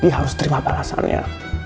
dia harus terima balasannya